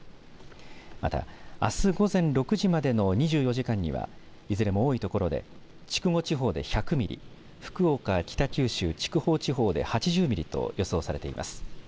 また、あす午前６時までの２４時間にはいずれも多いところで筑後地方で１００ミリ福岡、北九州、筑豊地方で８０ミリと予想されています。